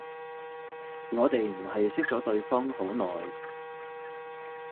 我哋唔係識咗對方好耐